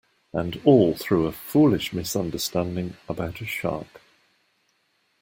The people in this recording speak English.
And all through a foolish misunderstanding about a shark.